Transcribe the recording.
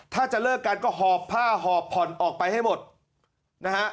ถ้าจะเลิกกันก็หอบผ้าหอบผ่อนออกไปให้หมดนะฮะ